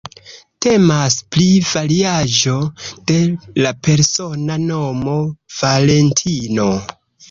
Temas pri variaĵo de la persona nomo "Valentino".